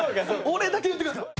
俺だけ言ってください。